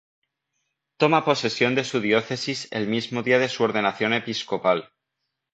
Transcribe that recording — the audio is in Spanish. Toma posesión de su Diócesis el mismo día de su ordenación episcopal.